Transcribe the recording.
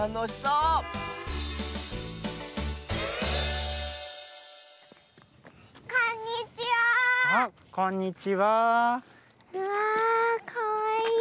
うわかわいい。